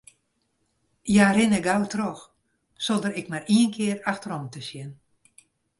Hja rinne gau troch, sonder ek mar ien kear efterom te sjen.